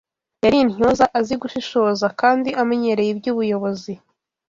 yari intyoza, azi gushishoza kandi amenyereye iby’ubuyobozi